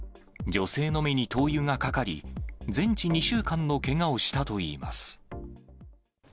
女性の目に灯油がかかり、全治２週間のけがをしたといいます。